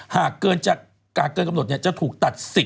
หากเกิดกำหนดเนี่ยจะถูกตัด๑๐